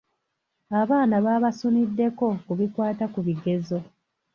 Abaana baabasuniddeko ku bikwata ku bigezo.